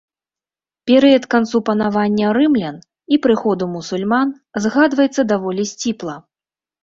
Перыяд канцу панавання рымлян і прыходу мусульман згадваецца даволі сціпла.